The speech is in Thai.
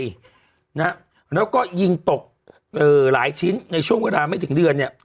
นะฮะแล้วก็ยิงตกเอ่อหลายชิ้นในช่วงเวลาไม่ถึงเดือนเนี่ย